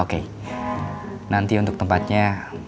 oke nanti untuk tempatnya